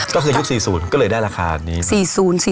ก็คือยุค๔๐ก็เลยได้ราคานี้